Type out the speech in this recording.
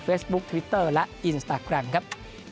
ทวิตเตอร์และอินสตาแกรมครับ